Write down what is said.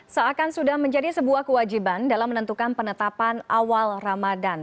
seakan sudah menjadi sebuah kewajiban dalam menentukan penetapan awal ramadan